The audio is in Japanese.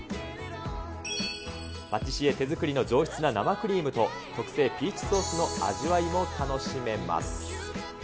パティシエ手作りの上質な生クリームと特製ピーチソースの味わいも楽しめます。